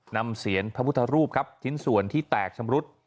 เสียนพระพุทธรูปครับชิ้นส่วนที่แตกชำรุด